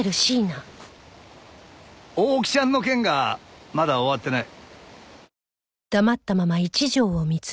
大木ちゃんの件がまだ終わってない。